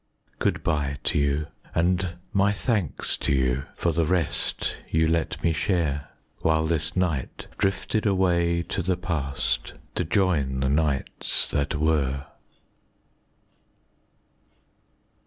Good bye to you, and my thanks to you, for the rest you let me share, While this night drifted away to the Past, to join the Nights that Were.